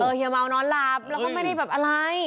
เฮียเมานอนหลับแล้วก็ไม่ได้แบบอะไร